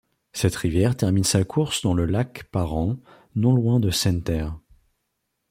Cette rivière termine sa course dans le lac Parent non loin de Senneterre.